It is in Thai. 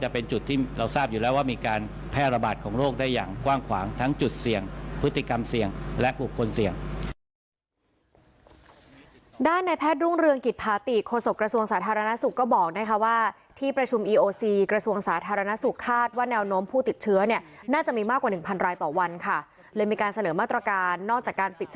เพื่อให้เกิดภูมิคุ้มกันหมู่ในประเทศครับ